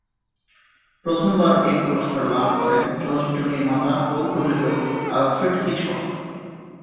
প্রথম বার এই পুরস্কার লাভ করেন চলচ্চিত্র নির্মাতা ও প্রযোজক অ্যালফ্রেড হিচকক।